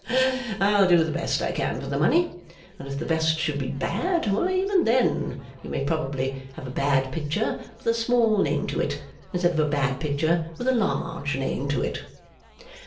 I'll do the best I can for the money; and if the best should be bad, why even then, you may probably have a bad picture with a small name to it, instead of a bad picture with a large name to it.